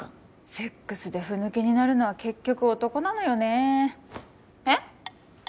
セックスでふぬけになるのは結局男なのよねえっ？